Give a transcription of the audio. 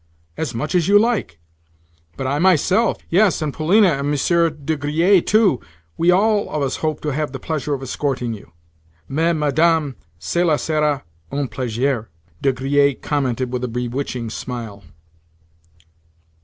"As much as you like. But I myself—yes, and Polina and Monsieur de Griers too—we all of us hope to have the pleasure of escorting you." "Mais, madame, cela sera un plaisir," De Griers commented with a bewitching smile.